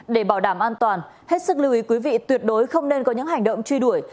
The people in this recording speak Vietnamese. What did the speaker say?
để bảo đảm an toàn hết sức lưu ý quý vị tuyệt đối không nên có những hành động truy đuổi